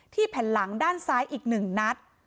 แผ่นหลังด้านซ้ายอีก๑นัด